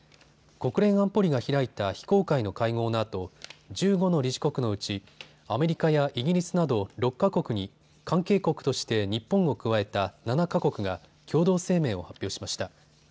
国連安保理が開いた非公開の会合のあと１５の理事国のうちアメリカやイギリスなど６か国に関係国として日本を加えた７か国が共同声明を発表しました。